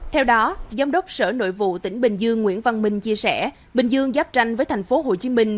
theo đó giám đốc sở nội vụ tỉnh bình dương nguyễn văn minh chia sẻ bình dương giáp tranh với thành phố hồ chí minh